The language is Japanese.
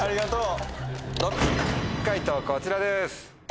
解答こちらです。